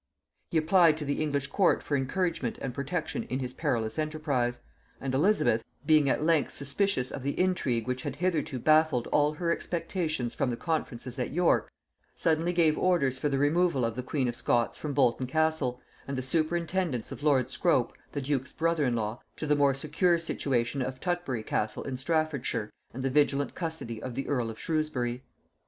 He applied to the English court for encouragement and protection in his perilous enterprise; and Elizabeth, being at length suspicious of the intrigue which had hitherto baffled all her expectations from the conferences at York, suddenly gave orders for the removal of the queen of Scots from Bolton castle and the superintendence of lord Scrope, the duke's brother in law, to the more secure situation of Tutbury castle in Staffordshire and the vigilant custody of the earl of Shrewsbury.